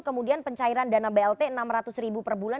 kemudian pencairan dana blt rp enam ratus ribu per bulan